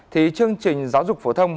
thì chương trình giáo dục phổ thông